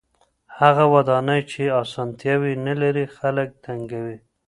هغه ودانۍ چې اسانتیاوې نلري خلک تنګوي.